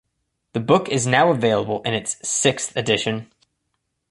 The book is now available in its sixth edition.